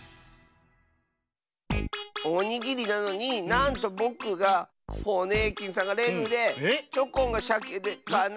おにぎりなのになんとぼくがホネーキンさんがレグでチョコンがシャケでかなしかったよ。